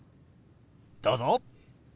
どうぞ。